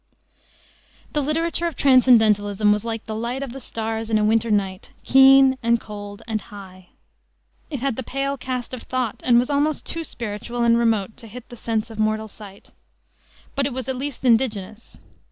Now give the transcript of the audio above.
The literature of transcendentalism was like the light of the stars in a winter night, keen and cold and high. It had the pale cast of thought, and was almost too spiritual and remote to "hit the sense of mortal sight." But it was at least indigenous.